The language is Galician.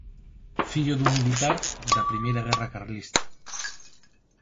Fillo dun militar da primeira guerra carlista.